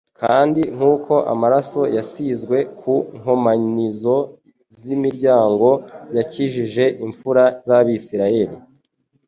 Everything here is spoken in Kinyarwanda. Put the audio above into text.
Kandi nk'uko amaraso yasizwe ku nkomanizo z'imiryango yakijije imfura z'Abisiraeli,